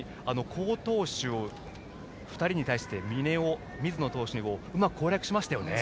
好投手２人に対してうまく攻略しましたよね。